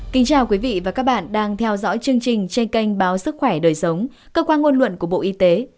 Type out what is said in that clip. kính chào quý vị và các bạn đang theo dõi chương trình trên kênh báo sức khỏe đời sống cơ quan ngôn luận của bộ y tế